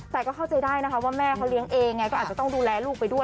แต่ก็เข้าใจได้นะคะว่าแม่เขาเลี้ยงเองไงก็อาจจะต้องดูแลลูกไปด้วย